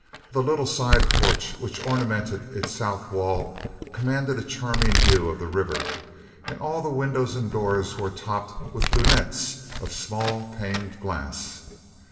The little side porch which ornamented its south wall commanded a charming view of the river, and all the windows and doors were topped with lunettes of small paned glass.